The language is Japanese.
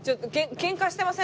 ケンカしてません？